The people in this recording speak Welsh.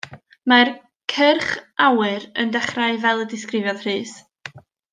Mae'r cyrch awyr yn dechrau fel y disgrifiodd Rhys.